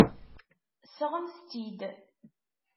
Sɣemt-tt-id!